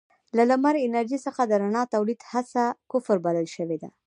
له لمر انرژۍ څخه د رڼا تولید هڅه کفر بلل شوې ده.